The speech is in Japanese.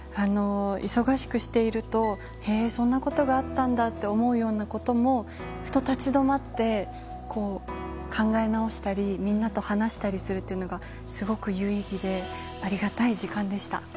忙しくしているとへえ、そんなことがあったんだって思うようなこともふと立ち止まって考え直したりみんなと話したりするというのがとても有意義でありがたい時間でした。